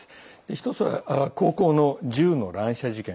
１つは高校の銃の乱射事件